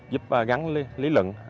giúp gắn lý luận